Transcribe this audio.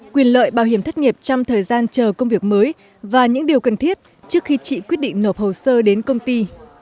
quyền lợi bảo hiểm thất nghiệp trong thời gian chờ công việc mới và những điều cần thiết trước khi chị quyết định nộp hồ sơ đến công ty